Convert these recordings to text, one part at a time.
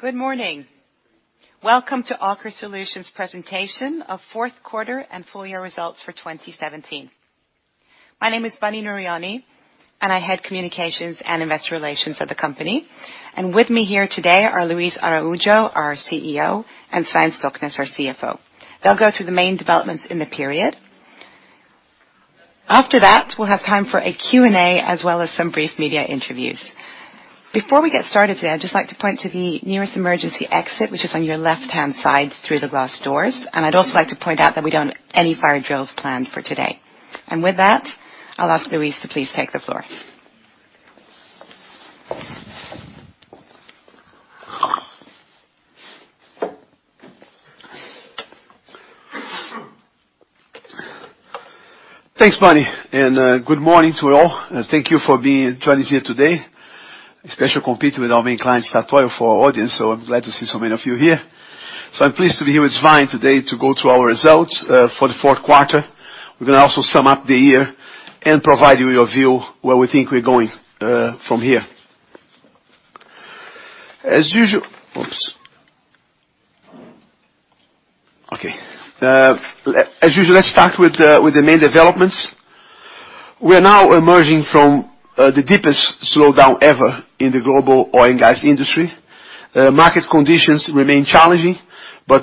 Good morning. Welcome to Aker Solutions presentation of fourth quarter and full year results for 2017. My name is Bunny Nooryani, I head Communications and Investor Relations at the company. With me here today are Luis Araujo, our CEO, and Svein Stoknes, our CFO. They'll go through the main developments in the period. After that, we'll have time for a Q&A, as well as some brief media interviews. Before we get started today, I'd just like to point to the nearest emergency exit, which is on your left-hand side through the glass doors. I'd also like to point out that we don't have any fire drills planned for today. With that, I'll ask Luis to please take the floor. Thanks, Bunny Nooryani. Good morning to you all. Thank you for being with us here today, especially competing with our main client, Statoil, for our audience. I'm glad to see so many of you here. I'm pleased to be here with Svein today to go through our results for the fourth quarter. We're going to also sum up the year and provide you a view where we think we're going from here. As usual. Oops. Okay. As usual, let's start with the main developments. We are now emerging from the deepest slowdown ever in the global oil and gas industry. Market conditions remain challenging.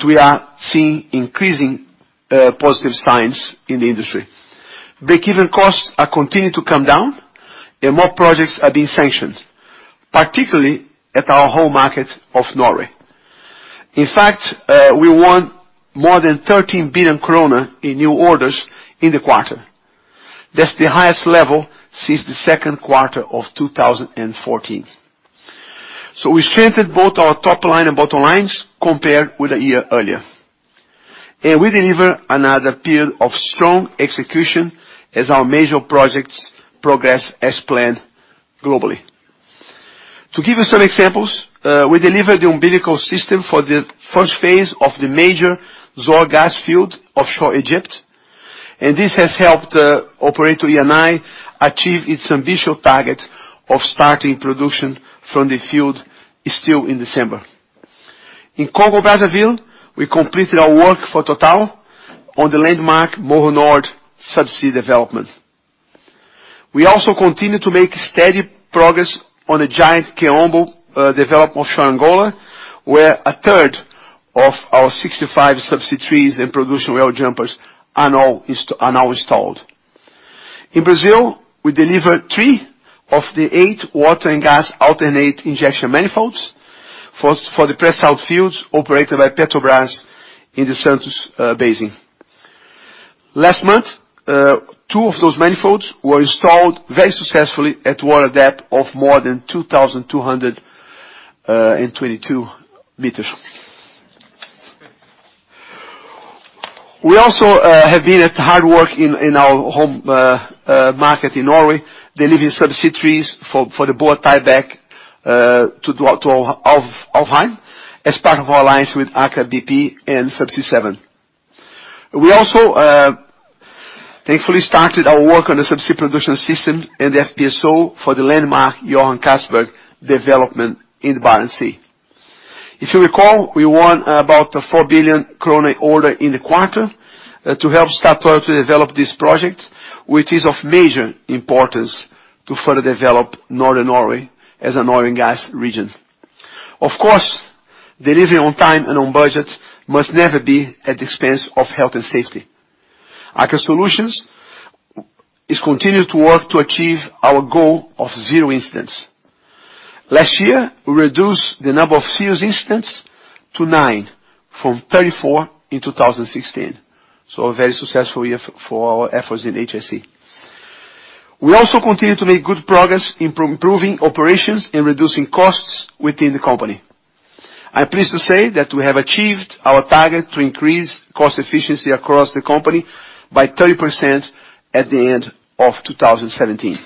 We are seeing increasing positive signs in the industry. Break-even costs are continuing to come down. More projects are being sanctioned, particularly at our home market of Norway. In fact, we won more than 13 billion krone in new orders in the quarter. That's the highest level since the 2Q 2014. We strengthened both our top line and bottom lines compared with a year earlier. We deliver another period of strong execution as our major projects progress as planned globally. To give you some examples, we delivered the umbilical system for the first phase of the major Zohr gas field offshore Egypt, and this has helped operator Eni achieve its ambitious target of starting production from the field still in December. In Congo, Brazzaville, we completed our work for Total on the landmark Moho Nord subsea development. We also continue to make steady progress on the giant Kaombo development offshore Angola, where a third of our 65 subsea trees and production well jumpers are now installed. In Brazil, we delivered three of the eight water and gas alternate injection manifolds for the pre-salt fields operated by Petrobras in the Santos Basin. Last month, two of those manifolds were installed very successfully at water depth of more than 2,222 meters. We also have been at hard work in our home market in Norway, delivering subsea trees for the Boa tieback to Alf, Alvheim as part of our alliance with Aker BP and Subsea 7. We also thankfully started our work on the Subsea production system and the FPSO for the landmark Johan Castberg development in the Barents Sea. If you recall, we won about a 4 billion krone order in the quarter to help Statoil to develop this project, which is of major importance to further develop Northern Norway as an oil and gas region. Of course, delivering on time and on budget must never be at the expense of health and safety. Aker Solutions is continuing to work to achieve our goal of zero incidents. Last year, we reduced the number of serious incidents to nine from 34 in 2016. A very successful year for our efforts in HSE. We also continue to make good progress in improving operations and reducing costs within the company. I'm pleased to say that we have achieved our target to increase cost efficiency across the company by 30% at the end of 2017.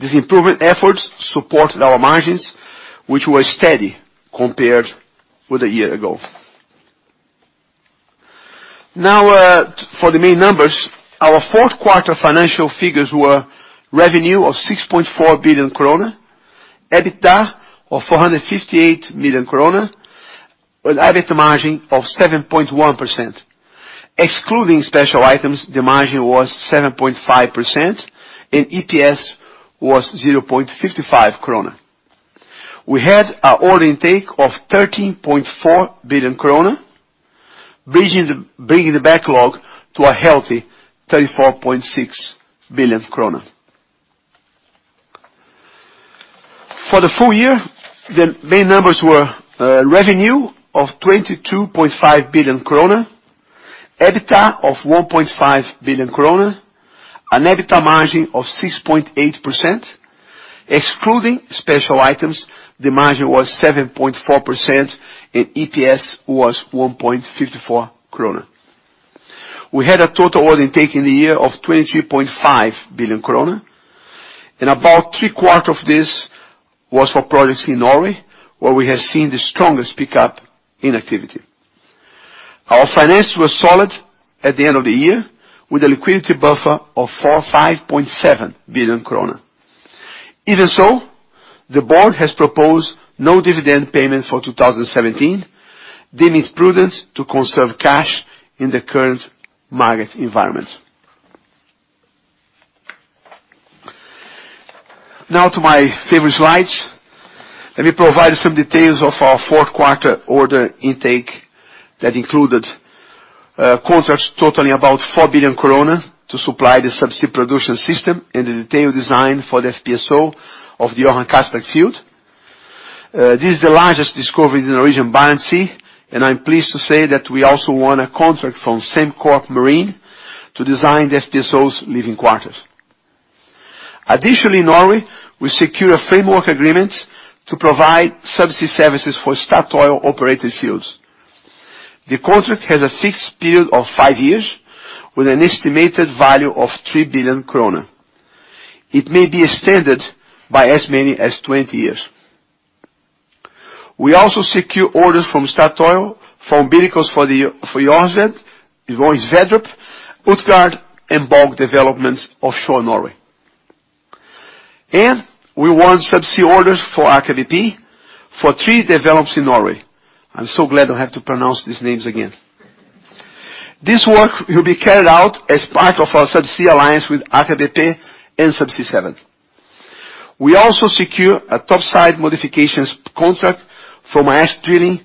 These improvement efforts supported our margins, which were steady compared with a year ago. Now, for the main numbers, our fourth quarter financial figures were revenue of 6.4 billion, EBITDA of 458 million, an EBITDA margin of 7.1%. Excluding special items, the margin was 7.5% and EPS was 0.55 krone. We had a order intake of 13.4 billion krone, bringing the backlog to a healthy 34.6 billion krone. For the full year, the main numbers were revenue of 22.5 billion, EBITDA of 1.5 billion, an EBITDA margin of 6.8%. Excluding special items, the margin was 7.4% and EPS was 1.54 krone. We had a total order intake in the year of 23.5 billion krone. About three-quarter of this was for projects in Norway, where we have seen the strongest pickup in activity. Our finances were solid at the end of the year, with a liquidity buffer of 5.7 billion krone. The board has proposed no dividend payment for 2017. They need prudence to conserve cash in the current market environment. To my favorite slides. Let me provide some details of our fourth quarter order intake that included contracts totaling about 4 billion krone to supply the subsea production system and the detailed design for the FPSO of the Johan Castberg field. This is the largest discovery in the Norwegian Barents Sea. I'm pleased to say that we also won a contract from Sembcorp Marine to design the FPSO's living quarters. Additionally, in Norway, we secure a framework agreement to provide subsea services for Statoil-operated fields. The contract has a fixed period of five years with an estimated value of 3 billion krone. It may be extended by as many as 20 years. We also secure orders from Statoil, from umbilicals for the Aasgard, Vedrop, Utsira, and Borg developments offshore Norway. We won subsea orders for Aker BP for three developments in Norway. I'm so glad I don't have to pronounce these names again. This work will be carried out as part of our subsea alliance with Aker BP and Subsea 7. We also secure a topside modifications contract from Maersk Drilling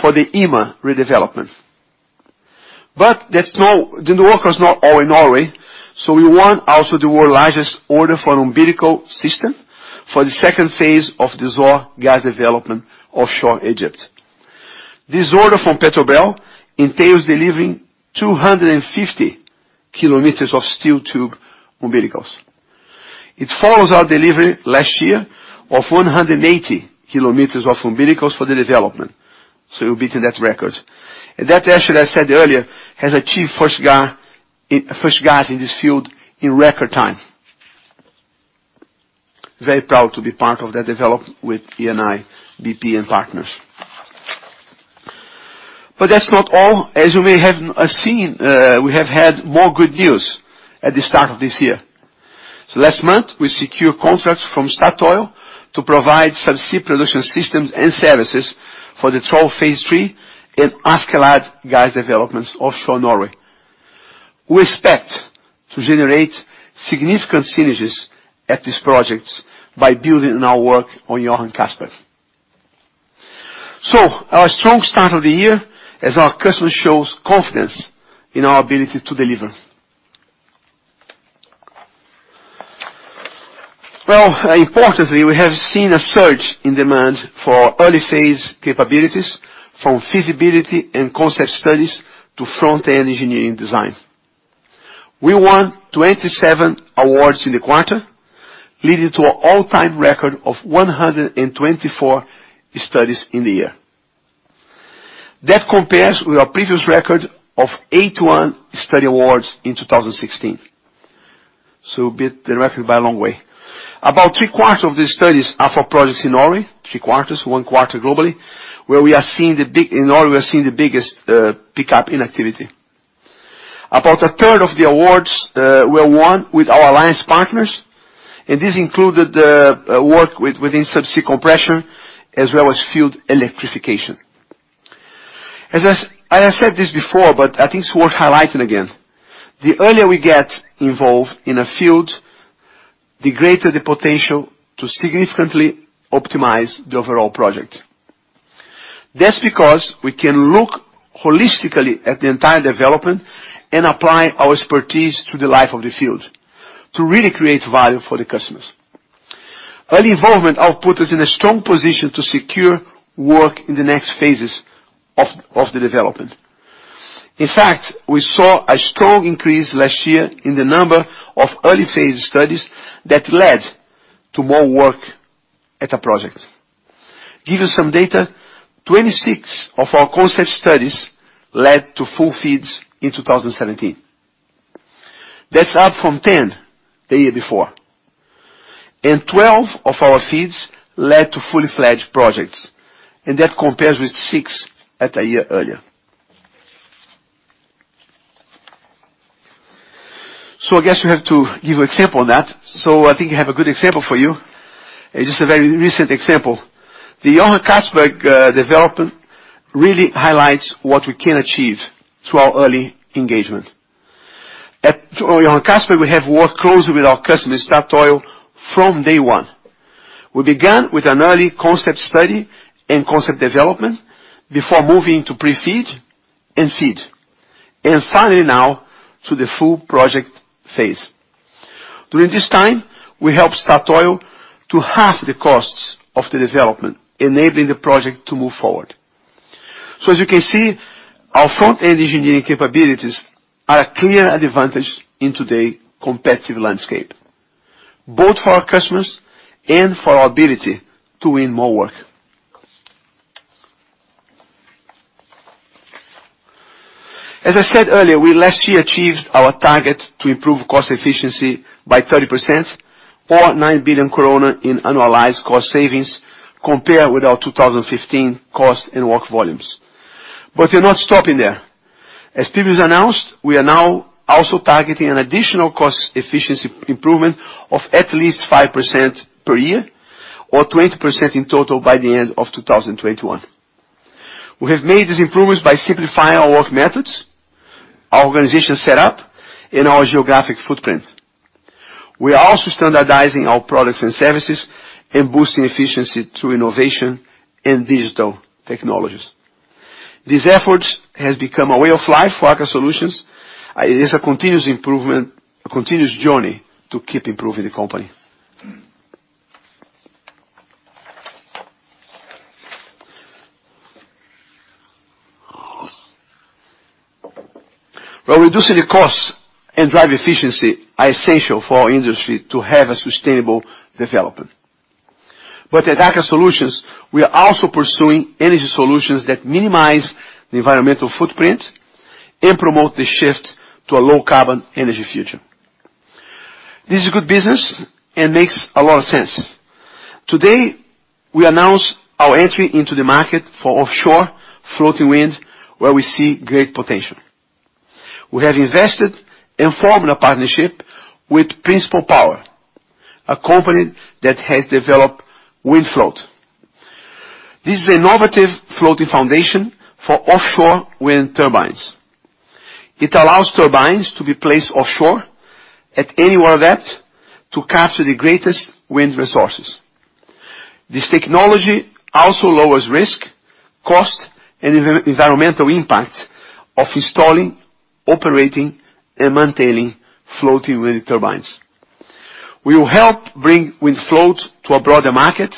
for the Ima redevelopment. That's not, the new work is not all in Norway. We won also the world's largest order for an umbilical system for the second phase of the Zohr gas development offshore Egypt. This order from Petrobel entails delivering 250 km of steel tube umbilicals. It follows our delivery last year of 180 km of umbilicals for the development. We've beaten that record. That actually, I said earlier, has achieved first gas in this field in record time. Very proud to be part of that development with Eni, BP, and partners. That's not all. As you may have seen, we have had more good news at the start of this year. Last month, we secured contracts from Statoil to provide subsea production systems and services for the Troll phase three and Askeladd gas developments offshore Norway. We expect to generate significant synergies at these projects by building on our work on Johan Castberg. Our strong start of the year as our customer shows confidence in our ability to deliver. Well, importantly, we have seen a surge in demand for early phase capabilities, from feasibility and concept studies to front-end engineering design. We won 27 awards in the quarter, leading to an all-time record of 124 studies in the year. That compares with our previous record of 81 study awards in 2016. We beat the record by a long way. About three-quarters of these studies are for projects in Norway, three-quarters, one quarter globally, where in Norway, we are seeing the biggest pickup in activity. About a third of the awards were won with our alliance partners, and this included work within subsea compression as well as field electrification. As I said this before, but I think it's worth highlighting again. The earlier we get involved in a field, the greater the potential to significantly optimize the overall project. That's because we can look holistically at the entire development and apply our expertise to the life of the field to really create value for the customers. Early involvement output is in a strong position to secure work in the next phases of the development. In fact, we saw a strong increase last year in the number of early-phase studies that led to more work at a project. Give you some data. 26 of our concept studies led to full FEEDs in 2017. That's up from 10 the year before. Twelve of our FEEDs led to fully-fledged projects, and that compares with six at a year earlier. I guess we have to give you an example on that. I think I have a good example for you. It's just a very recent example. The Johan Castberg development really highlights what we can achieve through our early engagement. At Johan Castberg, we have worked closely with our customer, Statoil, from day one. We began with an early concept study and concept development before moving to pre-FEED and FEED, and finally now to the full project phase. During this time, we helped Statoil to half the costs of the development, enabling the project to move forward. As you can see, our front-end engineering capabilities are a clear advantage in today's competitive landscape, both for our customers and for our ability to win more work. As I said earlier, we last year achieved our target to improve cost efficiency by 30% or 9 billion krone in annualized cost savings compared with our 2015 cost and work volumes. We're not stopping there. As previous announced, we are now also targeting an additional cost efficiency improvement of at least 5% per year or 20% in total by the end of 2021. We have made these improvements by simplifying our work methods, our organization set up and our geographic footprint. We are also standardizing our products and services and boosting efficiency through innovation and digital technologies. These efforts has become a way of life for Aker Solutions. It is a continuous improvement, a continuous journey to keep improving the company. While reducing the costs and drive efficiency are essential for our industry to have a sustainable development. At Aker Solutions, we are also pursuing energy solutions that minimize the environmental footprint and promote the shift to a low carbon energy future. This is good business and makes a lot of sense. Today, we announce our entry into the market for offshore floating wind, where we see great potential. We have invested and formed a partnership with Principle Power, a company that has developed WindFloat. This is an innovative floating foundation for offshore wind turbines. It allows turbines to be placed offshore at any water depth to capture the greatest wind resources. This technology also lowers risk, cost, and environmental impact of installing, operating, and maintaining floating wind turbines. We will help bring WindFloat to a broader market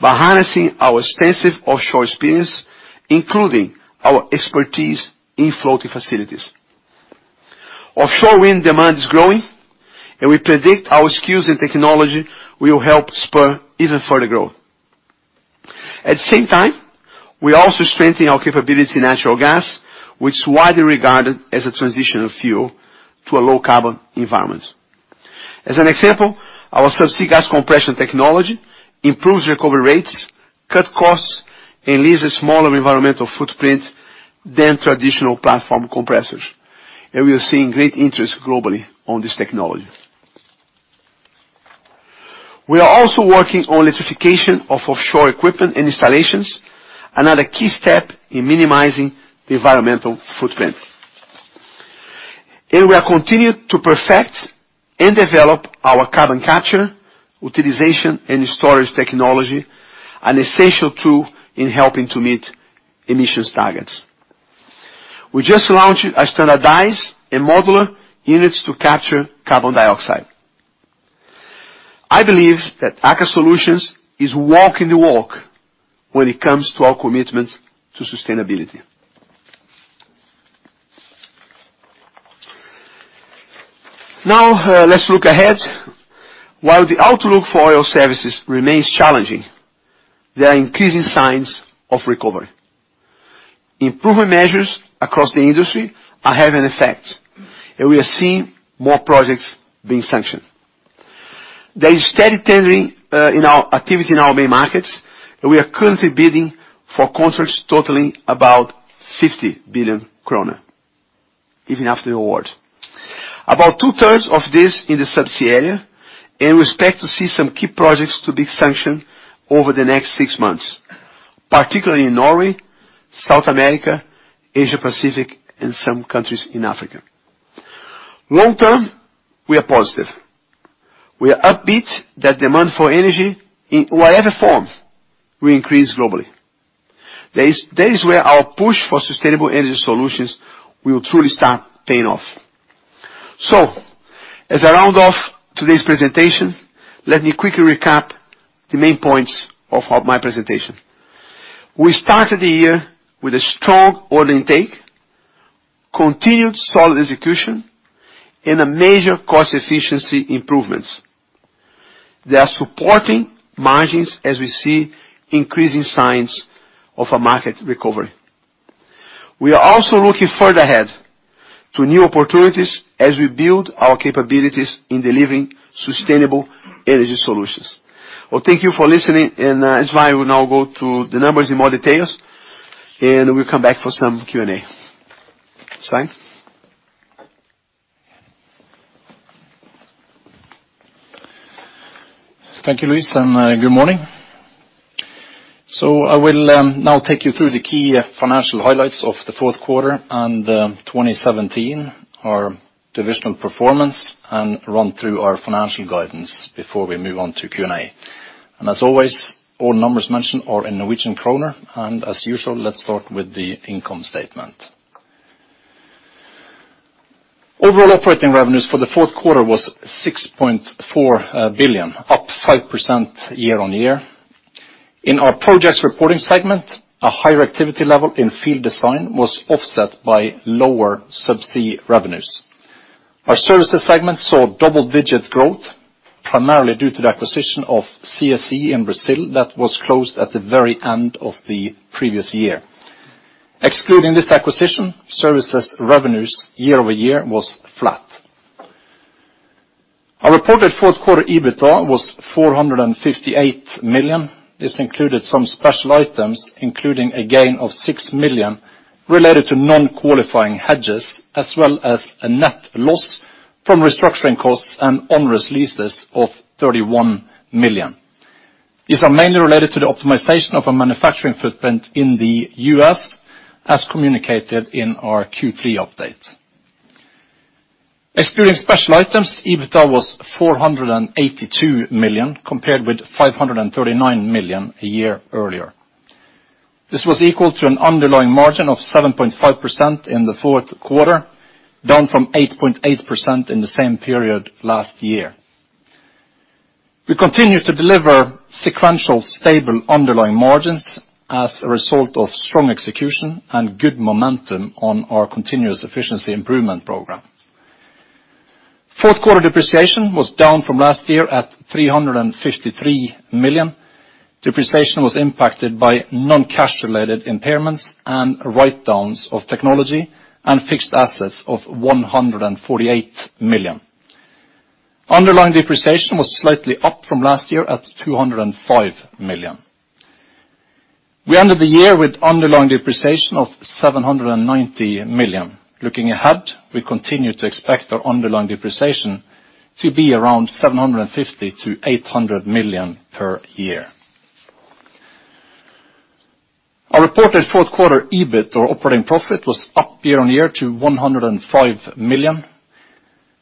by harnessing our extensive offshore experience, including our expertise in floating facilities. Offshore wind demand is growing and we predict our skills and technology will help spur even further growth. At the same time, we also strengthen our capability in natural gas, which is widely regarded as a transitional fuel to a low carbon environment. As an example, our subsea gas compression technology improves recovery rates, cuts costs, and leaves a smaller environmental footprint than traditional platform compressors. We are seeing great interest globally on this technology. We are also working on electrification of offshore equipment and installations, another key step in minimizing the environmental footprint. We are continued to perfect and develop our carbon capture, utilization, and storage technology, an essential tool in helping to meet emissions targets. We just launched our standardized and modular units to capture carbon dioxide. I believe that Aker Solutions is walking the walk when it comes to our commitment to sustainability. Let's look ahead. While the outlook for oil services remains challenging, there are increasing signs of recovery. Improvement measures across the industry are having an effect, and we are seeing more projects being sanctioned. There is steady tendering in our activity in our main markets, and we are currently bidding for contracts totaling about 50 billion kroner even after the award. About two-thirds of this in the subsea area, and we expect to see some key projects to be sanctioned over the next six months, particularly in Norway, South America, Asia-Pacific, and some countries in Africa. Long term, we are positive. We are upbeat that demand for energy in whatever form will increase globally. That is where our push for sustainable energy solutions will truly start paying off. As I round off today's presentation, let me quickly recap the main points of my presentation. We started the year with a strong order intake, continued solid execution, and a major cost efficiency improvements. They are supporting margins as we see increasing signs of a market recovery. We are also looking further ahead to new opportunities as we build our capabilities in delivering sustainable energy solutions. Thank you for listening, and Svein will now go through the numbers in more details, and we'll come back for some Q&A. Svein? Thank you, Luis, and good morning. I will now take you through the key financial highlights of the fourth quarter and 2017, our divisional performance, and run through our financial guidance before we move on to Q&A. As always, all numbers mentioned are in Norwegian kroner, as usual, let's start with the income statement. Overall operating revenues for the fourth quarter was 6.4 billion, up 5% year-on-year. In our projects reporting segment, a higher activity level in field design was offset by lower subsea revenues. Our services segment saw double-digit growth, primarily due to the acquisition of CSE in Brazil that was closed at the very end of the previous year. Excluding this acquisition, services revenues year-over-year was flat. Our reported fourth quarter EBITDA was 458 million. This included some special items, including a gain of 6 million related to non-qualifying hedges, as well as a net loss from restructuring costs and onerous leases of 31 million. These are mainly related to the optimization of our manufacturing footprint in the U.S., as communicated in our Q3 update. Excluding special items, EBITDA was 482 million compared with 539 million a year earlier. This was equal to an underlying margin of 7.5% in the fourth quarter, down from 8.8% in the same period last year. We continue to deliver sequential stable underlying margins as a result of strong execution and good momentum on our continuous efficiency improvement program. Fourth quarter depreciation was down from last year at 353 million. Depreciation was impacted by non-cash related impairments and write-downs of technology and fixed assets of 148 million. Underlying depreciation was slightly up from last year at 205 million. We ended the year with underlying depreciation of 790 million. Looking ahead, we continue to expect our underlying depreciation to be around 750 million-800 million per year. Our reported fourth quarter EBIT or operating profit was up year-on-year to 105 million.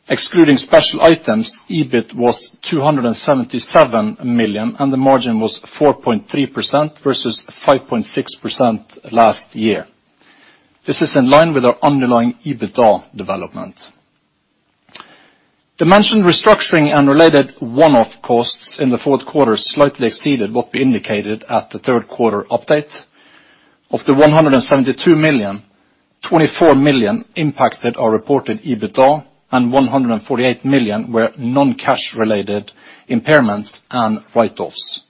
Excluding special items, EBIT was 277 million, and the margin was 4.3% versus 5.6% last year. This is in line with our underlying EBITDA development. The mentioned restructuring and related one-off costs in the fourth quarter slightly exceeded what we indicated at the third quarter update. Of the 172 million, 24 million impacted our reported EBITDA, and 148 million were non-cash related impairments and write-offs.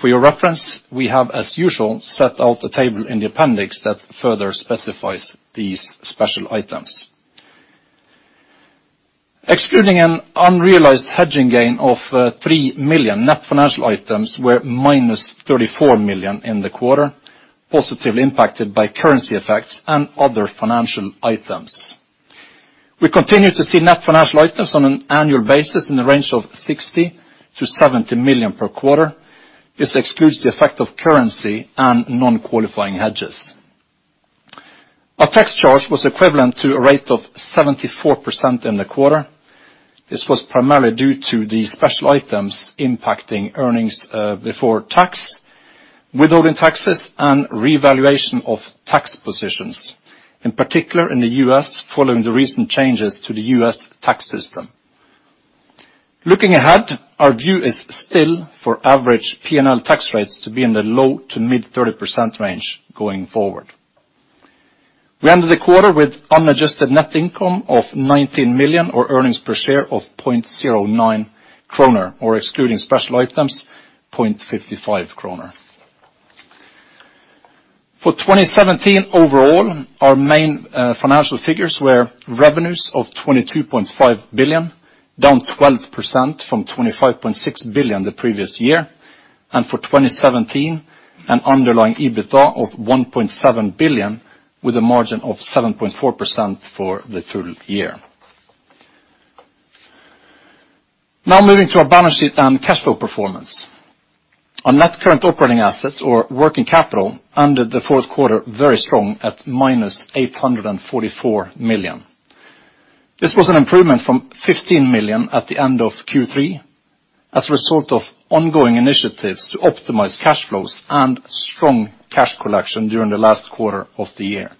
For your reference, we have, as usual, set out a table in the appendix that further specifies these special items. Excluding an unrealized hedging gain of 3 million, net financial items were minus 34 million in the quarter, positively impacted by currency effects and other financial items. We continue to see net financial items on an annual basis in the range of 60 million-70 million per quarter. This excludes the effect of currency and non-qualifying hedges. Our tax charge was equivalent to a rate of 74% in the quarter. This was primarily due to the special items impacting earnings before tax, withholding taxes, and revaluation of tax positions, in particular in the U.S. following the recent changes to the U.S. tax system. Looking ahead, our view is still for average P&L tax rates to be in the low to mid-30% range going forward. We ended the quarter with unadjusted net income of 19 million, or earnings per share of 0.09 kroner, or excluding special items, 0.55 kroner. For 2017 overall, our main financial figures were revenues of 22.5 billion, down 12% from 25.6 billion the previous year. For 2017, an underlying EBITDA of 1.7 billion, with a margin of 7.4% for the full year. Moving to our balance sheet and cash flow performance. On net current operating assets or working capital under the fourth quarter, very strong at minus 844 million. This was an improvement from 15 million at the end of Q3 as a result of ongoing initiatives to optimize cash flows and strong cash collection during the last quarter of the year.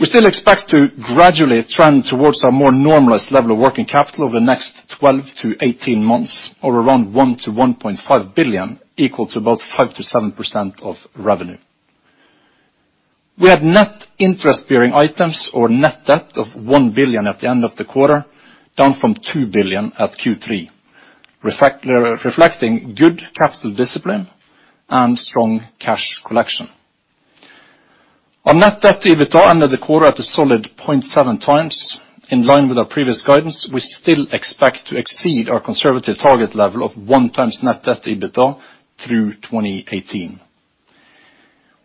We still expect to gradually trend towards a more normalized level of working capital over the next 12-18 months, or around 1 billion-1.5 billion, equal to about 5%-7% of revenue. We had net interest-bearing items or net debt of 1 billion at the end of the quarter, down from 2 billion at Q3, reflecting good capital discipline and strong cash collection. On net debt to EBITDA ended the quarter at a solid 0.7x. In line with our previous guidance, we still expect to exceed our conservative target level of 1x net debt to EBITDA through 2018.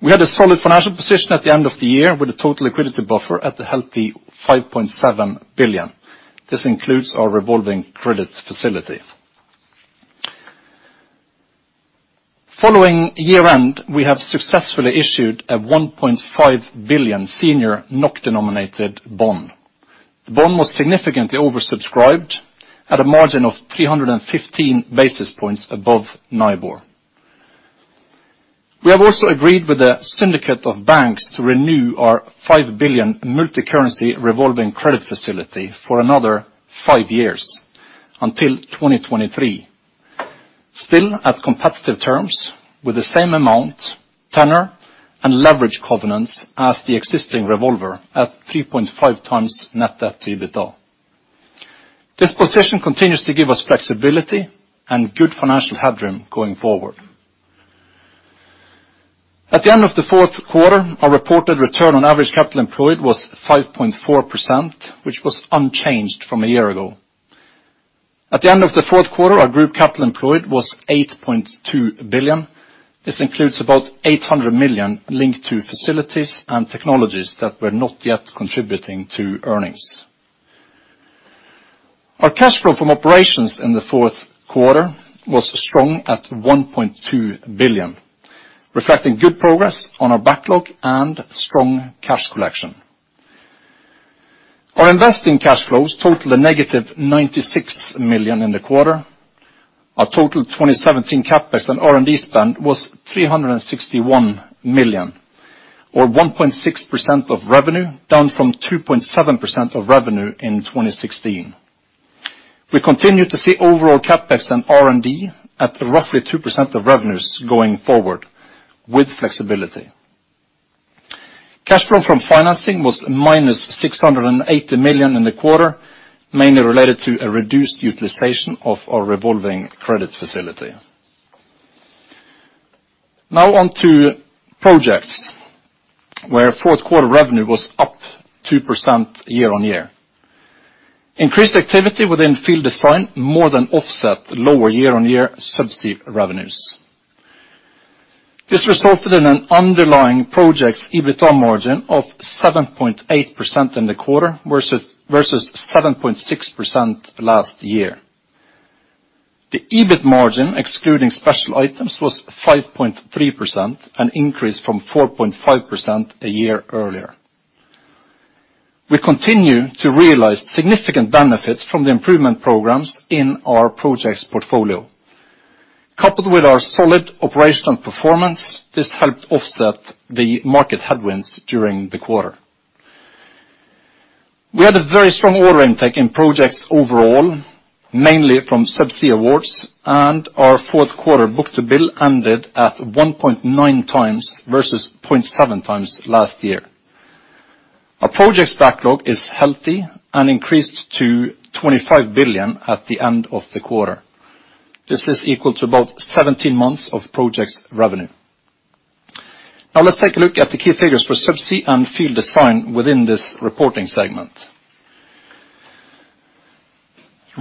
We had a solid financial position at the end of the year with a total liquidity buffer at a healthy 5.7 billion. This includes our revolving credits facility. Following year-end, we have successfully issued a 1.5 billion senior NOK-denominated bond. The bond was significantly oversubscribed at a margin of 315 basis points above NIBOR. We have also agreed with a syndicate of banks to renew our 5 billion multicurrency revolving credit facility for another five years until 2023, still at competitive terms with the same amount, tenor, and leverage covenants as the existing revolver at 3.5x net debt to EBITDA. This position continues to give us flexibility and good financial headroom going forward. At the end of the fourth quarter, our reported return on average capital employed was 5.4%, which was unchanged from a year ago. At the end of the fourth quarter, our group capital employed was 8.2 billion. This includes about 800 million linked to facilities and technologies that were not yet contributing to earnings. Our cash flow from operations in the fourth quarter was strong at 1.2 billion, reflecting good progress on our backlog and strong cash collection. Our investing cash flows totaled -96 million in the quarter. Our total 2017 CapEx and R&D spend was 361 million, or 1.6% of revenue, down from 2.7% of revenue in 2016. We continue to see overall CapEx and R&D at roughly 2% of revenues going forward with flexibility. Cash flow from financing was -680 million in the quarter, mainly related to a reduced utilization of our revolving credit facility. On to projects, where fourth quarter revenue was up 2% year-on-year. Increased activity within field design more than offset lower year-on-year subsea revenues. This resulted in an underlying project's EBITDA margin of 7.8% in the quarter versus 7.6% last year. The EBIT margin, excluding special items, was 5.3%, an increase from 4.5% a year earlier. We continue to realize significant benefits from the improvement programs in our projects portfolio. Coupled with our solid operational performance, this helped offset the market headwinds during the quarter. We had a very strong order intake in projects overall, mainly from subsea awards. Our fourth quarter book-to-bill ended at 1.9x versus 0.7x last year. Our projects backlog is healthy and increased to 25 billion at the end of the quarter. This is equal to about 17 months of projects revenue. Now let's take a look at the key figures for subsea and field design within this reporting segment.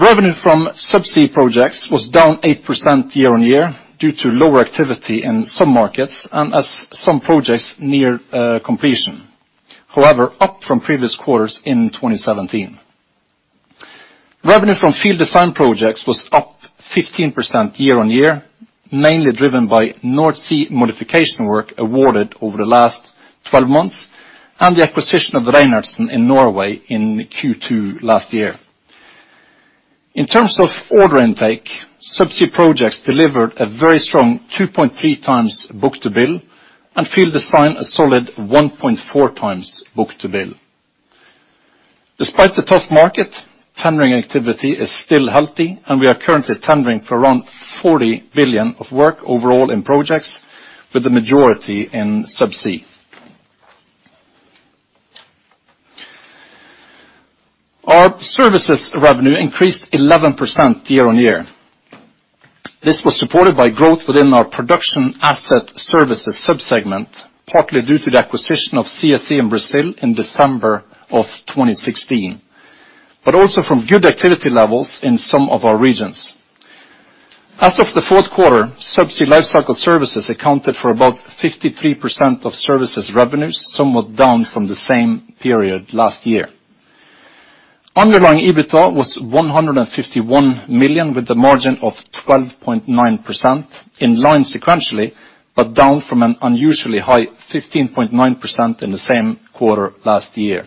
Revenue from subsea projects was down 8% year-on-year due to lower activity in some markets and as some projects near completion. However, up from previous quarters in 2017. Revenue from field design projects was up 15% year-on-year, mainly driven by North Sea modification work awarded over the last 12 months and the acquisition of the Reinertsen in Norway in Q2 last year. In terms of order intake, subsea projects delivered a very strong 2.3x book-to-bill, and field design a solid 1.4x book-to-bill. Despite the tough market, tendering activity is still healthy, and we are currently tendering for around 40 billion of work overall in projects with the majority in subsea. Our services revenue increased 11% year-on-year. This was supported by growth within our production asset services sub-segment, partly due to the acquisition of CSE in Brazil in December of 2016, but also from good activity levels in some of our regions. As of the fourth quarter, subsea lifecycle services accounted for about 53% of services revenues, somewhat down from the same period last year. Underlying EBITDA was 151 million, with a margin of 12.9% in line sequentially, but down from an unusually high 15.9% in the same quarter last year.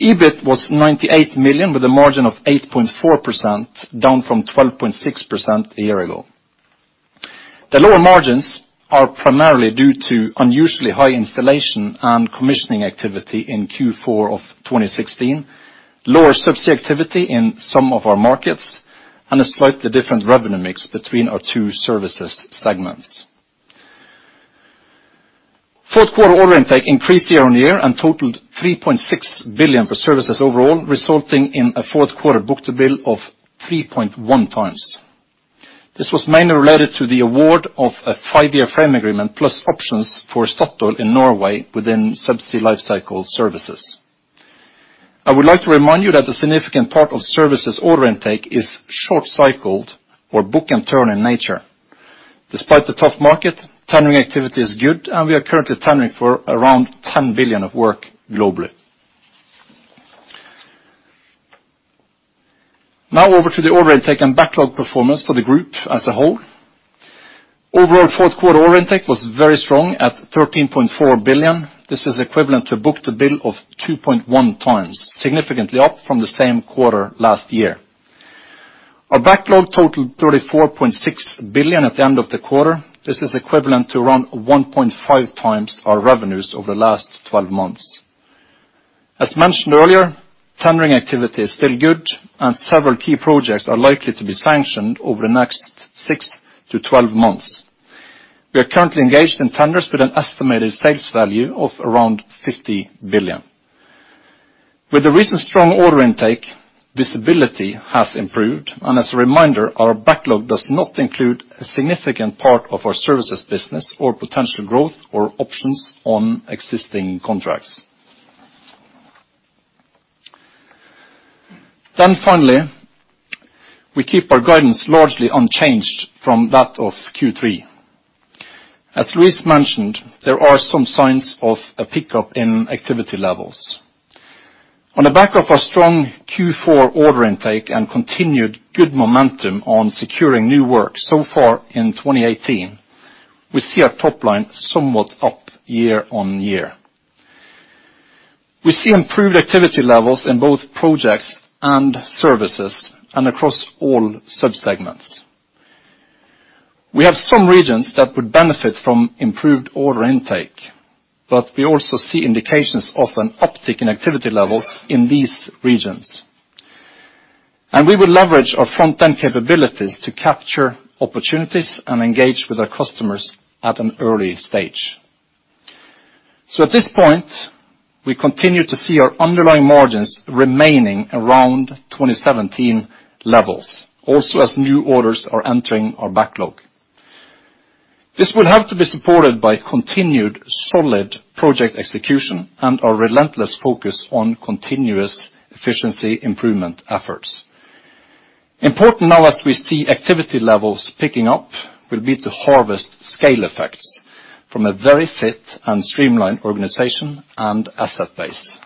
EBIT was 98 million, with a margin of 8.4%, down from 12.6% a year ago. The lower margins are primarily due to unusually high installation and commissioning activity in Q4 of 2016, lower subsea activity in some of our markets, and a slightly different revenue mix between our two services segments. Fourth quarter order intake increased year-on-year and totaled 3.6 billion for services overall, resulting in a fourth quarter book-to-bill of 3.1x. This was mainly related to the award of a five-year frame agreement plus options for Statoil in Norway within subsea lifecycle services. I would like to remind you that a significant part of services order intake is short cycled or book-and-turn in nature. Despite the tough market, tendering activity is good, and we are currently tendering for around 10 billion of work globally. Over to the order intake and backlog performance for the group as a whole. Overall, fourth quarter order intake was very strong at 13.4 billion. This is equivalent to book-to-bill of 2.1x, significantly up from the same quarter last year. Our backlog totaled 34.6 billion at the end of the quarter. This is equivalent to around 1.5x our revenues over the last 12 months. As mentioned earlier, tendering activity is still good and several key projects are likely to be sanctioned over the next six to 12 months. We are currently engaged in tenders with an estimated sales value of around $50 billion. With the recent strong order intake, visibility has improved, and as a reminder, our backlog does not include a significant part of our services business or potential growth or options on existing contracts. Finally, we keep our guidance largely unchanged from that of Q3. As Luis mentioned, there are some signs of a pickup in activity levels. On the back of our strong Q4 order intake and continued good momentum on securing new work so far in 2018, we see our top line somewhat up year-on-year. We see improved activity levels in both projects and services and across all subsegments. We have some regions that would benefit from improved order intake. We also see indications of an uptick in activity levels in these regions. We will leverage our front end capabilities to capture opportunities and engage with our customers at an early stage. At this point, we continue to see our underlying margins remaining around 2017 levels, also as new orders are entering our backlog. This will have to be supported by continued solid project execution and our relentless focus on continuous efficiency improvement efforts. Important now as we see activity levels picking up will be to harvest scale effects from a very fit and streamlined organization and asset base.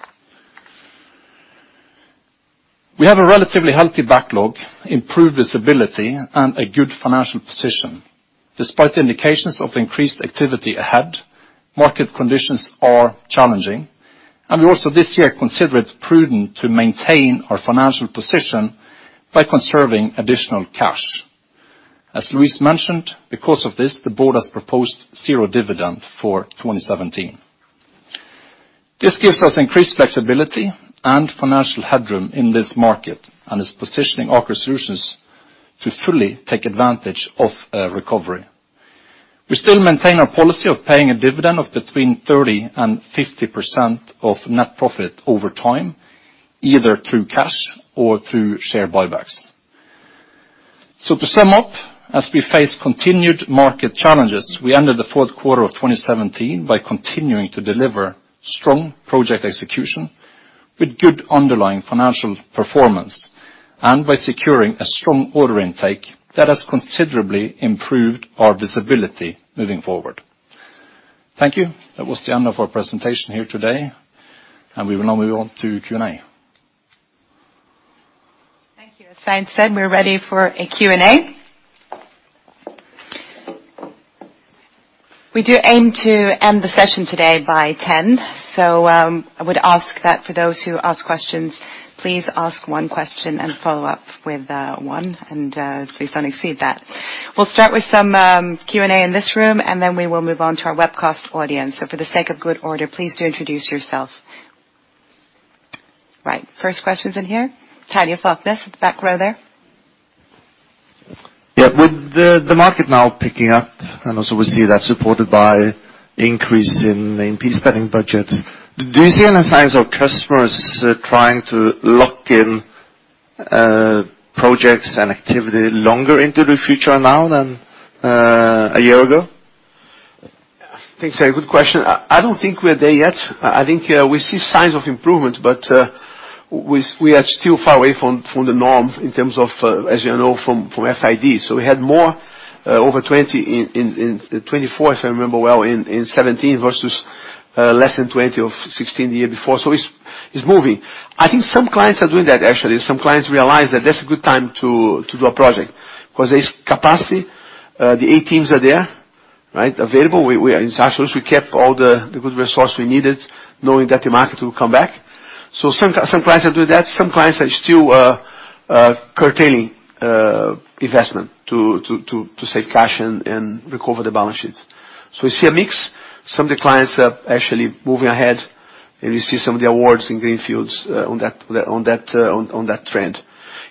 We have a relatively healthy backlog, improved visibility, and a good financial position. Despite the indications of increased activity ahead, market conditions are challenging, and we also this year consider it prudent to maintain our financial position by conserving additional cash. As Luis mentioned, because of this, the board has proposed zero dividend for 2017. This gives us increased flexibility and financial headroom in this market and is positioning Aker Solutions to fully take advantage of a recovery. We still maintain our policy of paying a dividend of between 30% and 50% of net profit over time, either through cash or through share buybacks. To sum up, as we face continued market challenges, we ended the fourth quarter of 2017 by continuing to deliver strong project execution with good underlying financial performance and by securing a strong order intake that has considerably improved our visibility moving forward. Thank you. That was the end of our presentation here today, and we will now move on to Q&A. Thank you. As Svein said, we're ready for a Q&A. We do aim to end the session today by 10:00 A.M., so I would ask that for those who ask questions, please ask one question and follow up with one, and please don't exceed that. We'll start with some Q&A in this room, and then we will move on to our webcast audience. For the sake of good order, please do introduce yourself. Right. First question's in here. Tove G. Falkå at the back row there. Yeah. With the market now picking up, also we see that supported by increase in NP spending budgets, do you see any signs of customers trying to lock in projects and activity longer into the future now than a year ago? Thanks. A good question. I don't think we're there yet. I think we see signs of improvement, but we are still far away from the norms in terms of, as you know, from FID. We had more over 20 in 24, if I remember well, in 17 versus less than 20 of 16 the year before. It's moving. I think some clients are doing that actually. Some clients realize that that's a good time to do a project, because there is capacity. The A teams are there, right, available. We are in Aker Solutions, we kept all the good resource we needed knowing that the market will come back. Some clients are doing that. Some clients are still curtailing investment to save cash and recover the balance sheets. We see a mix. Some of the clients are actually moving ahead, and we see some of the awards in greenfields on that trend.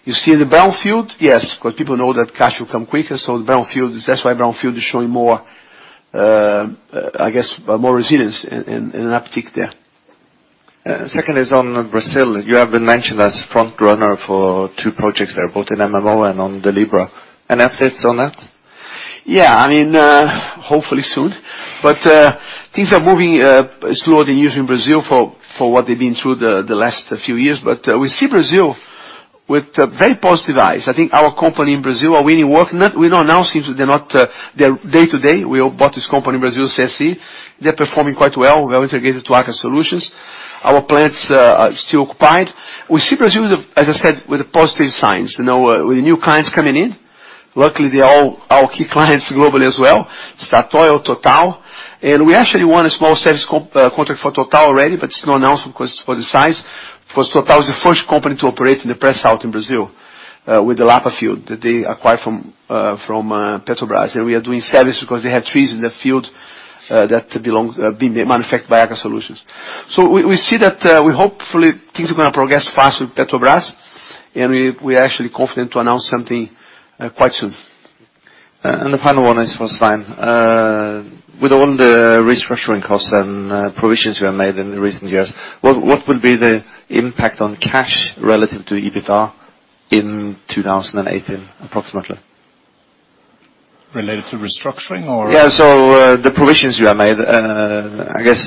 You see the brownfield, yes, because people know that cash will come quicker. The brownfield, that's why brownfield is showing more, I guess, more resilience in an uptick there. Second is on Brazil. You have been mentioned as front runner for two projects there, both in MMO and on the Libra. Any updates on that? Yeah. I mean, hopefully soon. Things are moving slower than usual in Brazil for what they've been through the last few years. We see Brazil with a very positive eyes. I think our company in Brazil are really working. We don't announce things they're not there day to day. We all bought this company in Brazil, CSE. They're performing quite well. We are integrated to Aker Solutions. Our plants are still occupied. We see Brazil, as I said, with positive signs, you know, with new clients coming in. Luckily, they're all our key clients globally as well, Statoil, Total. We actually won a small service contract for Total already, but it's not announced because for the size, because Total is the first company to operate in the pre-salt in Brazil, with the Lapa field that they acquired from Petrobras. We are doing service because they had trees in the field that belong being manufactured by Aker Solutions. We see that we hopefully things are gonna progress fast with Petrobras. We're actually confident to announce something quite soon. The final one is for Stein. With all the restructuring costs and provisions you have made in the recent years, what would be the impact on cash relative to EBITDA in 2018 approximately? Related to restructuring. The provisions you have made. I guess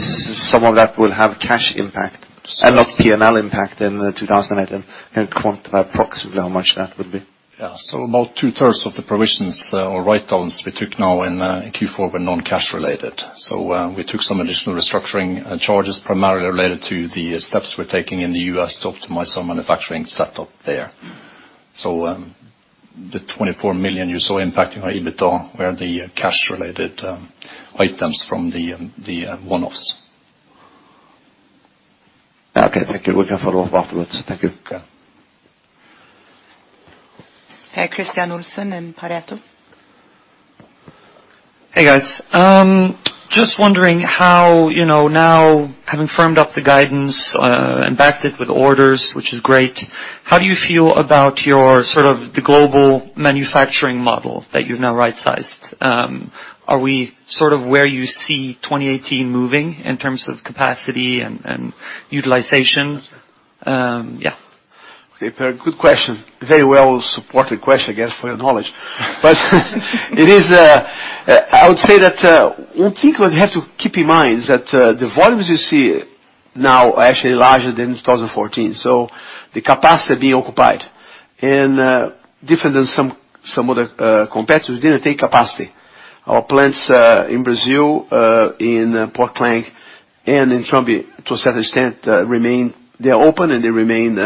some of that will have cash impact and not PNL impact in 2018. Can you quantify approximately how much that would be? Yeah. About two-thirds of the provisions or write-downs we took now in Q4 were non-cash related. We took some additional restructuring charges, primarily related to the steps we're taking in the U.S. to optimize our manufacturing setup there. The 24 million you saw impacting our EBITDA were the cash-related items from the one-offs. Okay, thank you. We can follow up afterwards. Thank you. Okay. Kristian Olsen in Pareto. Hey, guys. Just wondering how, you know, now having firmed up the guidance, and backed it with orders, which is great, how do you feel about your sort of the global manufacturing model that you've now right-sized? Are we sort of where you see 2018 moving in terms of capacity and utilization? Okay, Per, good question. Very well-supported question, I guess, for your knowledge. It is, I would say that, one thing we have to keep in mind is that, the volumes you see now are actually larger than in 2014, so the capacity being occupied. Different than some other competitors didn't take capacity. Our plants in Brazil, in Port Klang, and in Tromso, to a certain extent, remain. They are open and they remain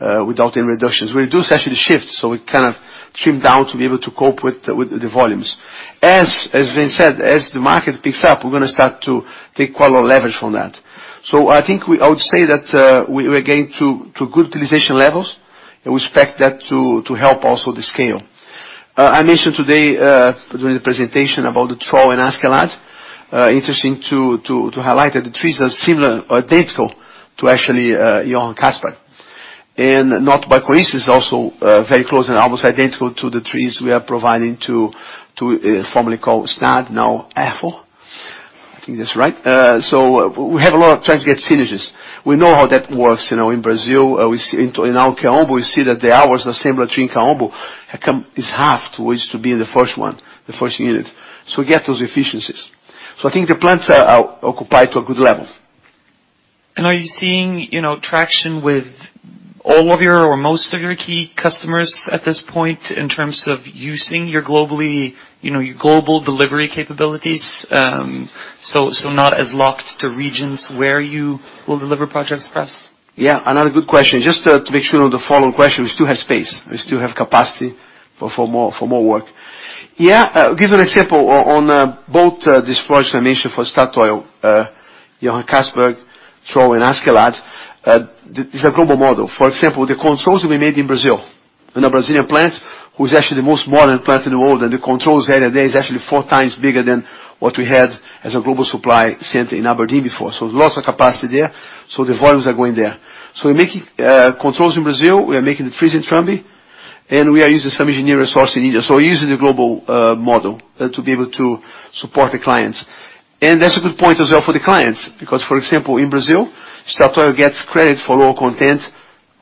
without any reductions. We reduced actually the shifts, so we kind of trimmed down to be able to cope with the volumes. As Vince said, as the market picks up, we're gonna start to take quite a lot of leverage from that. I think I would say that, we are getting to good utilization levels, and we expect that to help also the scale. I mentioned today, during the presentation about the Troll and Askeladd. Interesting to highlight that the trees are similar or identical to actually Johan Castberg. Not by coincidence, also, very close and almost identical to the trees we are providing to formerly called Snadd, now Ærfugl. I think that's right. We have a lot of trying to get synergies. We know how that works, you know, in Brazil. We see in now Kaombo, we see that the hours assembly in Kaombo is half to be in the first unit. We get those efficiencies. I think the plants are occupied to a good level. Are you seeing, you know, traction with all of your or most of your key customers at this point in terms of using your globally, you know, your global delivery capabilities, so not as locked to regions where you will deliver projects perhaps? Another good question. Just to make sure on the follow-on question, we still have space. We still have capacity for more work. I'll give you an example on both these projects I mentioned for Statoil, Johan Castberg, Troll, and Askeladd. There's a global model. For example, the controls will be made in Brazil, in a Brazilian plant, who is actually the most modern plant in the world, and the controls area there is actually 4x bigger than what we had as a global supply center in Aberdeen before. Lots of capacity there, so the volumes are going there. We're making controls in Brazil, we are making the freeze in Tromsø, and we are using some engineering resource in India. We're using the global model to be able to support the clients. That's a good point as well for the clients because, for example, in Brazil, Statoil gets credit for all content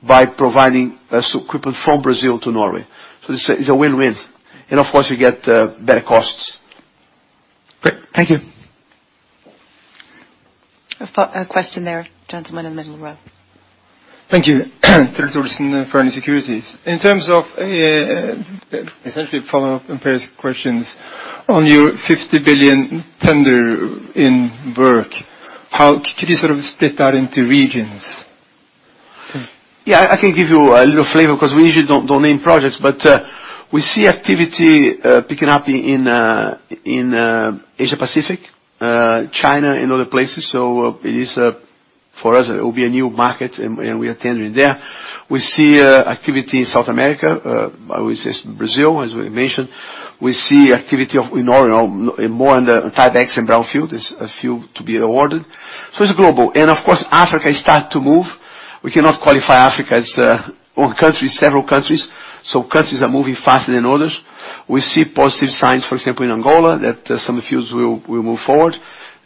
by providing us equipment from Brazil to Norway. It's a win-win. Of course we get better costs. Great. Thank you. A question there, gentleman in the middle row. Thank you. Truls Olsen, Fearnley Securities. In terms of, essentially a follow-up on Per's questions, on your 50 billion tender in work, could you sort of split that into regions? Yeah, I can give you a little flavor 'cause we usually don't name projects. We see activity picking up in Asia Pacific, China and other places. It is for us it will be a new market and we are tendering there. We see activity in South America, which is Brazil, as we mentioned. We see activity of in Orion, more on the Type X and Brownfield, is a field to be awarded. It's global. Of course, Africa is starting to move. We cannot qualify Africa as one country. It's several countries. Countries are moving faster than others. We see positive signs, for example, in Angola, that some fields will move forward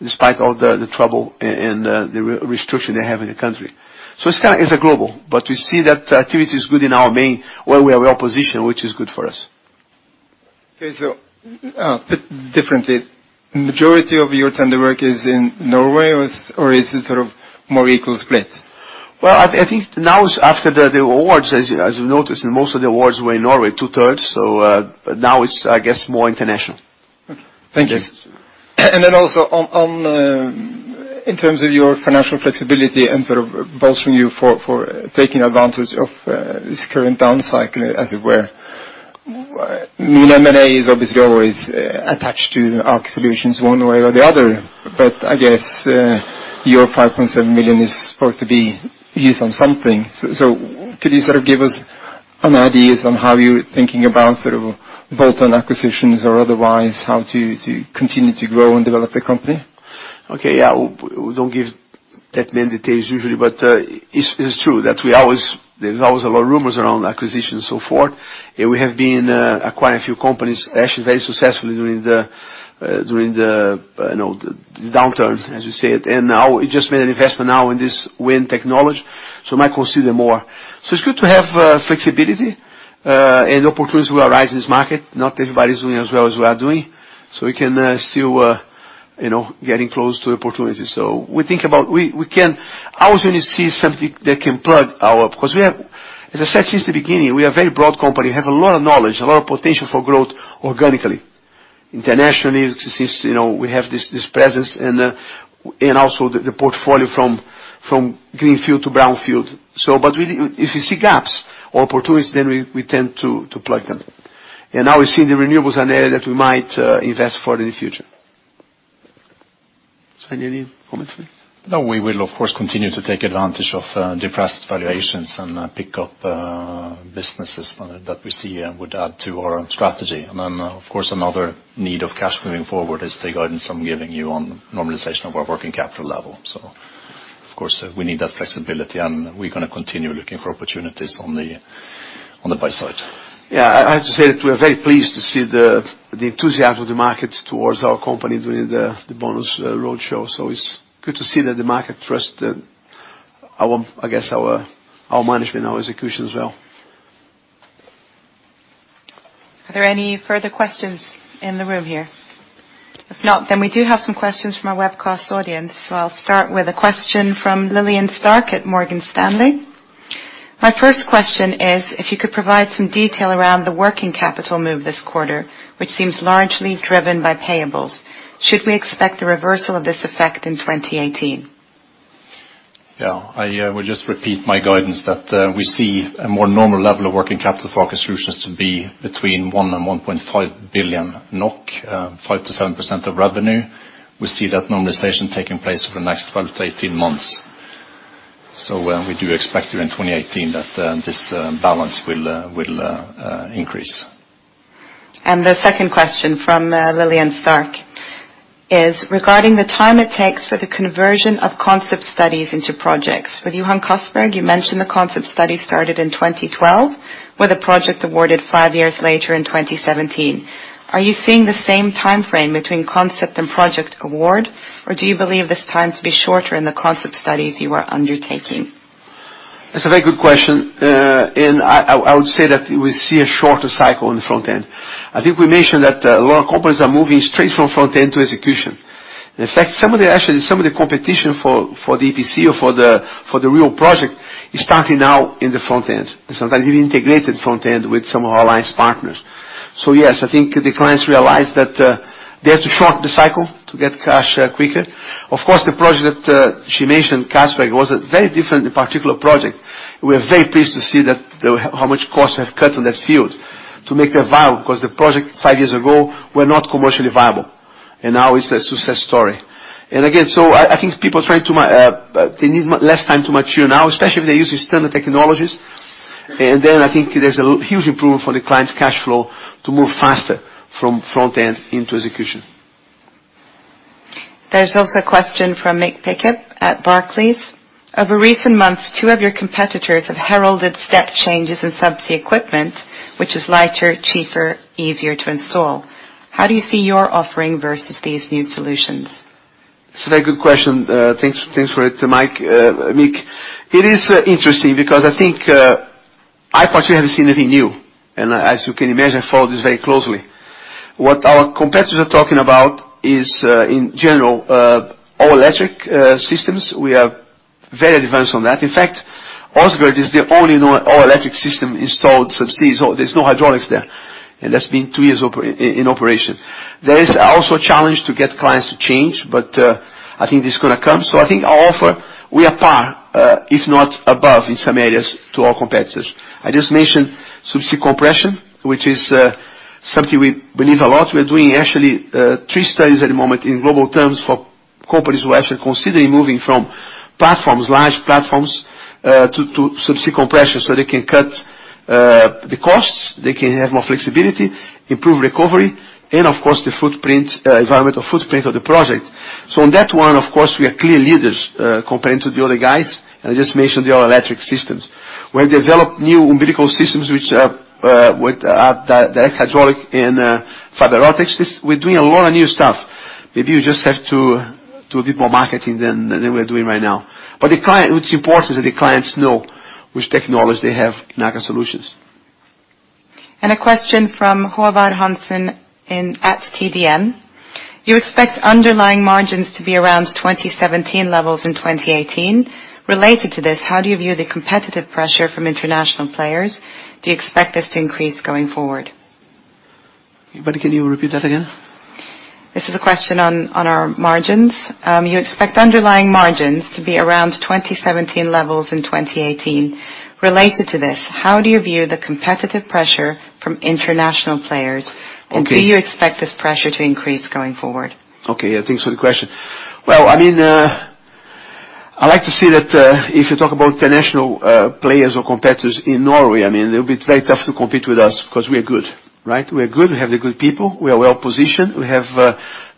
despite all the trouble and the re-restruction they have in the country. It's kinda, it's a global, but we see that activity is good in our main, where we are well-positioned, which is good for us. Okay. Bit differently. Majority of your tender work is in Norway or is it sort of more equal split? Well, I think now after the awards, as you've noticed, most of the awards were in Norway, two-thirds. Now it's, I guess, more international. Okay. Thank you. Yes. Then also on, in terms of your financial flexibility and sort of bolstering you for taking advantage of this current down cycle, as it were, I mean, M&A is obviously always attached to Aker Solutions one way or the other. I guess, your 5.7 million is supposed to be used on something. Could you sort of give us an ideas on how you're thinking about sort of bolt-on acquisitions or otherwise, how to continue to grow and develop the company? Okay, yeah. We don't give that many details usually, but it's true that we always. There's always a lot of rumors around acquisitions so forth. We have been acquiring a few companies actually very successfully during the, you know, the downturn, as you say it. Now we just made an investment now in this wind technology, so might consider more. It's good to have flexibility and opportunities will arise in this market. Not everybody's doing as well as we are doing. We can still, you know, getting close to opportunities. We think about. We can always when you see something that can plug our. 'Cause we have, as I said since the beginning, we are a very broad company. We have a lot of knowledge, a lot of potential for growth organically. Internationally, since, you know, we have this presence and also the portfolio from greenfield to brownfield. But really, if you see gaps or opportunities, then we tend to plug them. Now we're seeing the renewables area that we might invest for in the future. Svein, any comments from you? We will of course continue to take advantage of depressed valuations and pick up businesses on it that we see and would add to our own strategy. Of course, another need of cash moving forward is the guidance I'm giving you on normalization of our working capital level. Of course, we need that flexibility, and we're gonna continue looking for opportunities on the buy side. Yeah. I have to say that we're very pleased to see the enthusiasm of the market towards our company during the bonus roadshow. It's good to see that the market trust our, I guess, our management, our execution as well. Are there any further questions in the room here? If not, we do have some questions from our webcast audience. I'll start with a question from Lillian Starke at Morgan Stanley. My first question is if you could provide some detail around the working capital move this quarter, which seems largely driven by payables. Should we expect a reversal of this effect in 2018? I will just repeat my guidance that we see a more normal level of working capital for Aker Solutions to be between 1 billion and 1.5 billion NOK, 5%-7% of revenue. We see that normalization taking place over the next 12-18 months. We do expect during 2018 that this balance will increase. The second question from Lillian Starke is regarding the time it takes for the conversion of concept studies into projects. With Johan Castberg, you mentioned the concept study started in 2012, with the project awarded five years later in 2017. Are you seeing the same timeframe between concept and project award, or do you believe this time to be shorter in the concept studies you are undertaking? That's a very good question. I would say that we see a shorter cycle in the front end. I think we mentioned that a lot of companies are moving straight from front end to execution. In fact, actually some of the competition for the EPC or for the real project is starting now in the front end, and sometimes even integrated front end with some of our alliance partners. Yes, I think the clients realize that they have to shorten the cycle to get cash quicker. Of course, the project she mentioned, Castberg, was a very different and particular project. We are very pleased to see that how much costs have cut on that field to make it viable because the project five years ago were not commercially viable, and now it's a success story. I think they need less time to mature now, especially if they're using standard technologies. I think there's a huge improvement for the client's cash flow to move faster from front end into execution. There's also a question from Mick Pickup at Barclays. Over recent months, two of your competitors have heralded step changes in subsea equipment, which is lighter, cheaper, easier to install. How do you see your offering versus these new solutions? It's a very good question. Thanks for it, Mick. It is interesting because I think I personally haven't seen anything new. As you can imagine, I follow this very closely. What our competitors are talking about is in general all electric systems. We are very advanced on that. In fact, Castberg is the only all electric system installed subsea, so there's no hydraulics there, and that's been two years in operation. There is also a challenge to get clients to change. I think this is gonna come. I think our offer, we are par, if not above in some areas to our competitors. I just mentioned subsea compression, which is something we believe a lot. We're doing actually, three studies at the moment in global terms for companies who are actually considering moving from platforms, large platforms, to subsea compression so they can cut the costs. They can have more flexibility, improve recovery, and of course, the footprint, environmental footprint of the project. On that one, of course, we are clear leaders compared to the other guys, and I just mentioned the all electric systems. We've developed new umbilical systems which with the hydraulic and fiber optics. We're doing a lot of new stuff. Maybe we just have to do more marketing than we're doing right now. What's important is that the clients know which technology they have in Aker Solutions. A question from Haavard Kippe at DNB. You expect underlying margins to be around 2017 levels in 2018. Related to this, how do you view the competitive pressure from international players? Do you expect this to increase going forward? Can you repeat that again? This is a question on our margins. You expect underlying margins to be around 2017 levels in 2018. Related to this, how do you view the competitive pressure from international players? Okay. Do you expect this pressure to increase going forward? Okay. Yeah. Thanks for the question. Well, I mean, I like to see that, if you talk about international players or competitors in Norway, I mean, it would be very tough to compete with us 'cause we are good, right? We are good. We have the good people. We are well-positioned. We have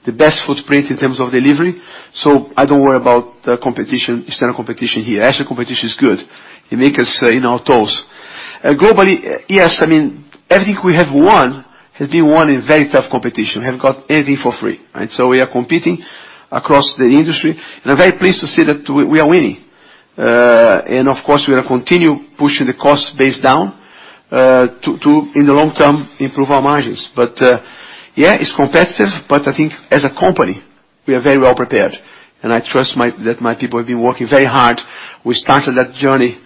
the best footprint in terms of delivery. I don't worry about the competition, external competition here. Actually, competition is good. It make us, you know, on our toes. Globally, yes, I mean, everything we have won has been won in very tough competition. We haven't got anything for free, right? We are competing across the industry, and I'm very pleased to say that we are winning. Of course, we're gonna continue pushing the cost base down, to, in the long term, improve our margins. Yeah, it's competitive, but I think as a company, we are very well-prepared, and I trust that my people have been working very hard. We started that journey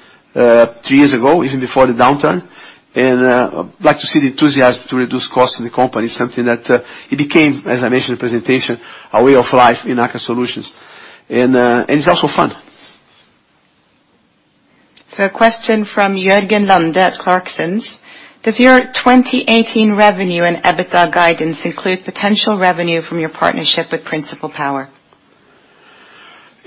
three years ago, even before the downturn. I'd like to see the enthusiasm to reduce costs in the company. It's something that it became, as I mentioned in the presentation, a way of life in Aker Solutions. It's also fun. A question from Jørgen Lunde at Clarksons. Does your 2018 revenue and EBITDA guidance include potential revenue from your partnership with Principle Power?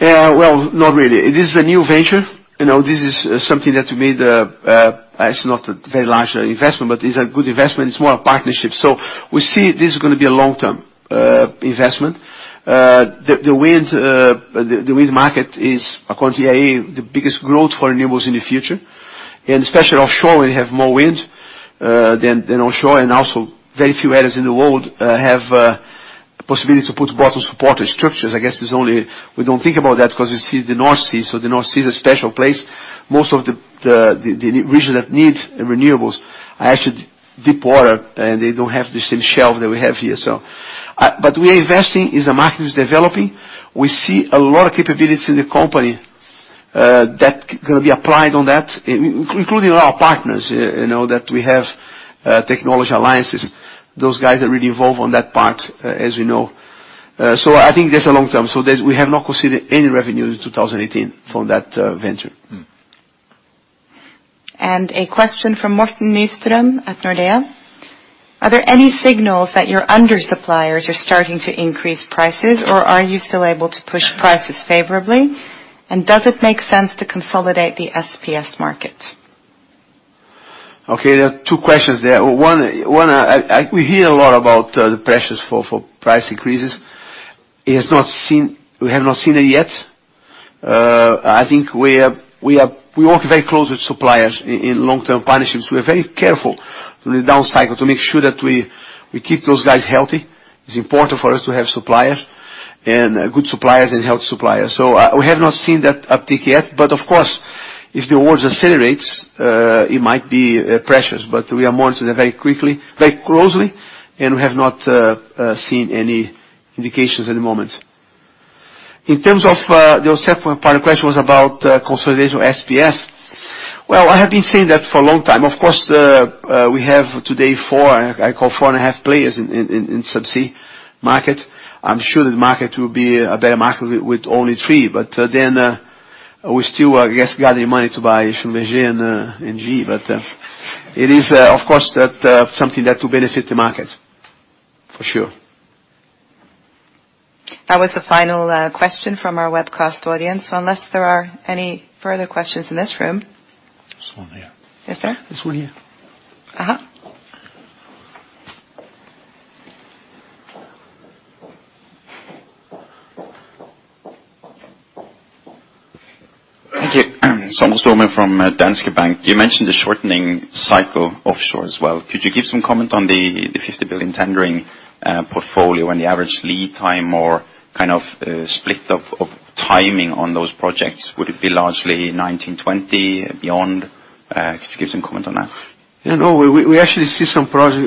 Yeah. Well, not really. It is a new venture. You know, this is something that we made, it's not a very large investment, but it's a good investment. It's more a partnership. We see this is gonna be a long-term investment. The wind market is, according to IEA, the biggest growth for renewables in the future, and especially offshore, we have more wind than onshore and also very few areas in the world have possibility to put bottom supported structures. I guess it's only. We don't think about that because we see the North Sea. The North Sea is a special place. Most of the region that need renewables are actually deep water, and they don't have the same shelf that we have here. But we're investing as the market is developing. We see a lot of capabilities in the company that gonna be applied on that, including our partners, you know, that we have technology alliances. Those guys are really involved on that part, as we know. I think that's a long term. We have not considered any revenue in 2018 for that venture. A question from Morten Nystrøm at Nordea. Are there any signals that your under-suppliers are starting to increase prices, or are you still able to push prices favorably? Does it make sense to consolidate the SPS market? Okay. There are two questions there. One, we hear a lot about the pressures for price increases. We have not seen it yet. I think we work very close with suppliers in long-term partnerships. We are very careful through the down cycle to make sure that we keep those guys healthy. It's important for us to have suppliers and good suppliers and health suppliers. We have not seen that uptick yet. Of course, if the awards accelerates, it might be pressures, but we are monitoring that very quickly, very closely, and we have not seen any indications at the moment. In terms of the second part of the question was about consolidation of SPS. I have been saying that for a long time. Of course, the, we have today four, I call four and a half players in subsea market. I'm sure that the market will be a better market with only three. Then, we still, I guess, gather the money to buy Schlumberger and, NOV. It is, of course that, something that will benefit the market, for sure. That was the final question from our webcast audience, unless there are any further questions in this room. There's one here. Is there? There's one here. Uh-huh. Thank you Samuel Størmen from Danske Bank. You mentioned the shortening cycle offshore as well. Could you give some comment on the 50 billion tendering portfolio and the average lead time or kind of split of timing on those projects? Would it be largely 2019, 2020 beyond? Could you give some comment on that? You know, we actually see some projects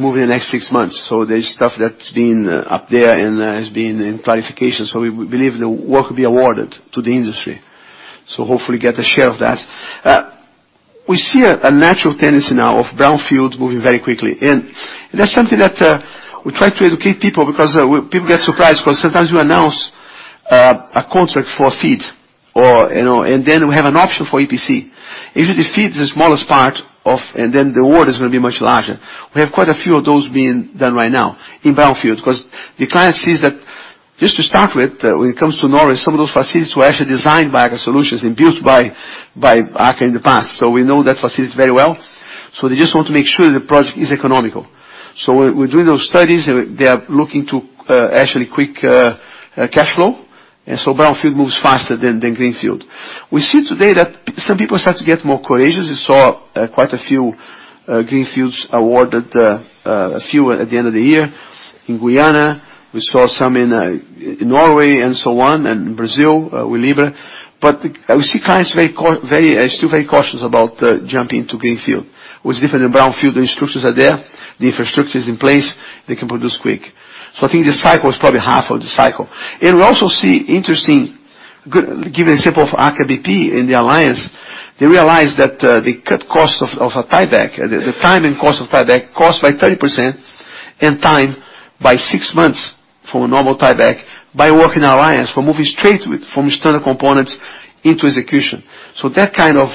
move in the next six months. There's stuff that's been up there and has been in clarification. We believe the work will be awarded to the industry, so hopefully get a share of that. We see a natural tendency now of brownfield moving very quickly, and that's something that we try to educate people because people get surprised because sometimes we announce a contract for a FEED or, you know, and then we have an option for EPC. Usually FEED is the smallest part of, and then the award is gonna be much larger. We have quite a few of those being done right now in brownfield because the client sees that, just to start with, when it comes to Norway, some of those facilities were actually designed by Aker Solutions and built by Aker in the past, so we know that facility very well. They just want to make sure the project is economical. We're doing those studies. They are looking to actually quick cash flow. Brownfield moves faster than greenfield. We see today that some people start to get more courageous. We saw quite a few greenfields awarded a few at the end of the year in Guyana. We saw some in Norway and so on, and Brazil with Libra. We see clients very, still very cautious about jumping to greenfield, which is different than brownfield. The instructions are there. The infrastructure is in place. They can produce quick. I think this cycle is probably half of the cycle. We also see interesting, give you an example of Aker BP in the alliance. They realized that they cut costs of a tieback. The time and cost of tieback, cost by 30% and time by six months for a normal tieback by working alliance. We're moving straight with from standard components into execution. That kind of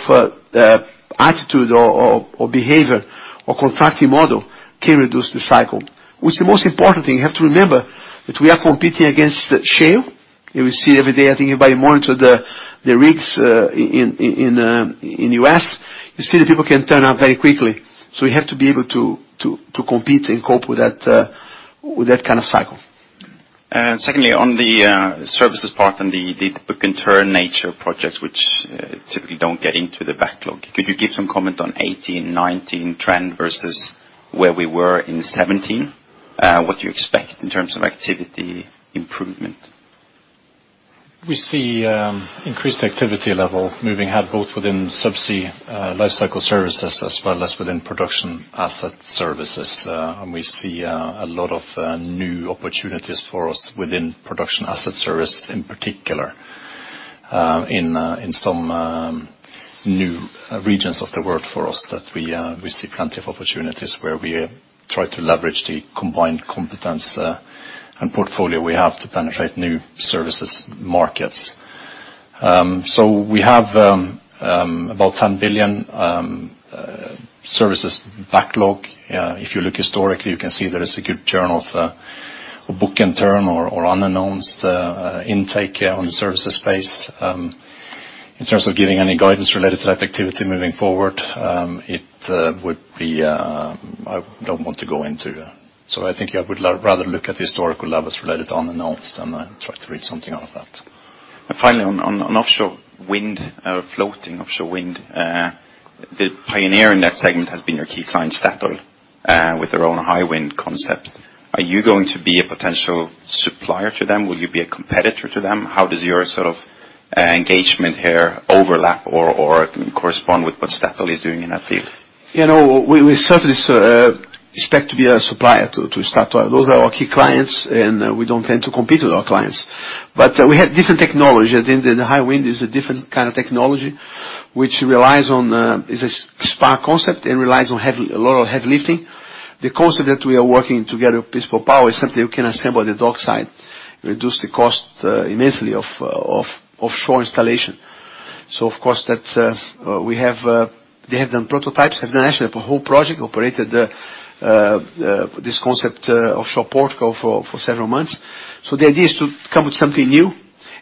attitude or behavior or contracting model-Can reduce the cycle. What's the most important thing, you have to remember that we are competing against Shell. We see every day, I think if I monitor the rigs in U.S., you see that people can turn up very quickly. We have to be able to compete and cope with that kind of cycle. Secondly, on the services part and the book-and-turn nature of projects which typically don't get into the backlog. Could you give some comment on 18, 19 trend versus where we were in 17? What do you expect in terms of activity improvement? We see increased activity level moving ahead both within subsea, lifecycle services as well as within production asset services. We see a lot of new opportunities for us within production asset service, in particular, in some new regions of the world for us that we see plenty of opportunities where we try to leverage the combined competence and portfolio we have to penetrate new services markets. We have about 10 billion services backlog. If you look historically, you can see there is a good journal for book in turn or unannounced intake on services based. In terms of giving any guidance related to that activity moving forward, it would be, I don't want to go into. I think I would rather look at the historical levels related on announced and then try to read something out of that. Finally, on offshore wind, floating offshore wind. The pioneer in that segment has been your key client, Statoil, with their own Hywind concept. Are you going to be a potential supplier to them? Will you be a competitor to them? How does your sort of engagement here overlap or correspond with what Statoil is doing in that field? You know, we certainly expect to be a supplier to Statoil. Those are our key clients, and we don't tend to compete with our clients. We have different technology. I think the Hywind is a different kind of technology which relies on is a spar concept and relies on a lot of heavy lifting. The concept that we are working together with Principle Power is something you can assemble at the dockside, reduce the cost immensely of offshore installation. Of course that's, we have, they have done prototypes, have done actually a whole project, operated the this concept offshore Portugal for several months. The idea is to come with something new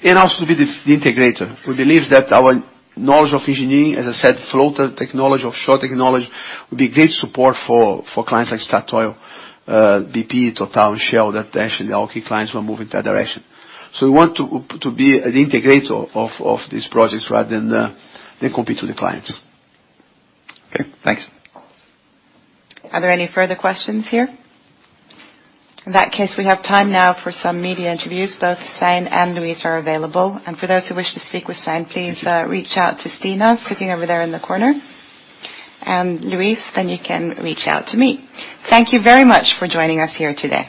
and also to be the integrator. We believe that our knowledge of engineering, as I said, floater technology, offshore technology, will be great support for clients like Statoil, BP, Total, and Shell, that actually our key clients will move in that direction. We want to be an integrator of these projects rather than compete with the clients. Okay, thanks. Are there any further questions here? In that case, we have time now for some media interviews. Both Svein and Luis are available. For those who wish to speak with Svein, please. Reach out to Stina sitting over there in the corner. Luis, you can reach out to me. Thank you very much for joining us here today.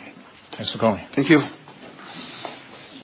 Thanks for calling. Thank you.